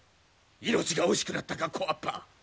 命が惜しくなったか小わっぱ。